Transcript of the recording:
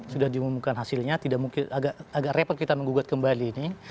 sudah diumumkan hasilnya tidak mungkin agak repot kita menggugat kembali ini